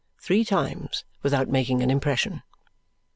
three times without making an impression.